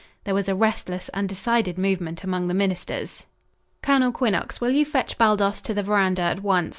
There was a restless, undecided movement among the ministers. "Colonel Quinnox, will you fetch Baldos to the verandah at once?"